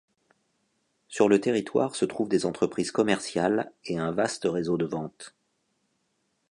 Sur le territoire se trouvent des entreprises commerciales et un vaste réseau de vente.